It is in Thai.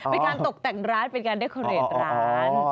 เป็นการตกแต่งร้านเป็นการได้เคอเรดร้าน